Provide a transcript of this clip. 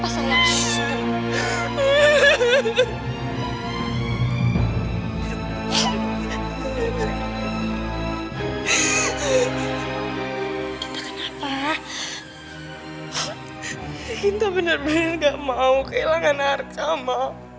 saya benar benar tidak mau kehilangan harta ma